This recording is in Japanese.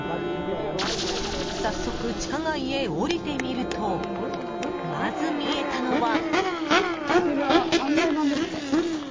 早速、地下街へ下りてみるとまず見えたのは。